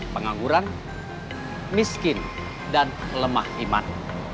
pengangguran miskin dan lemah iman